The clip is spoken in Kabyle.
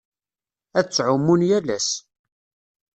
Ad ttɛumun yal ass.